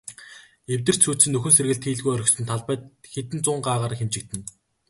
Эвдэрч сүйдсэн, нөхөн сэргээлт хийлгүй орхисон талбай хэдэн зуун гагаар хэмжигдэнэ.